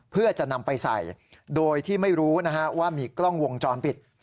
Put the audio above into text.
เพื่อจะนำไปใส่โดยที่ไม่รู้ว่ามีกล้องวงจรปิด